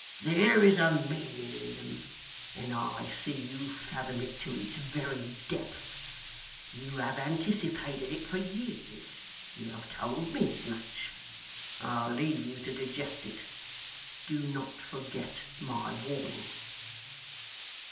'There is a meaning in them, and I see you fathom it to its very depth. You have anticipated it for years; you have told me as much. I leave you to digest it. Do not forget my warning.